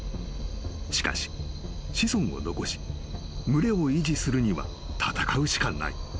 ［しかし子孫を残し群れを維持するには戦うしかない］